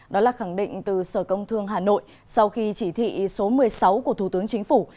đó là khẳng định từ sở công thương hà nội sau khi chỉ thị số một mươi sáu của thủ tướng chính phủ